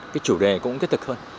cái chủ đề cũng thiết thực hơn